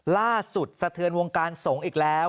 สะเทือนวงการสงฆ์อีกแล้ว